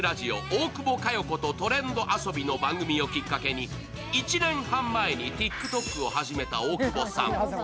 「大久保佳代子とトレンド遊び」の番組をきっかけに１年半前にＴｉｋＴｏｋを始めた大久保さん。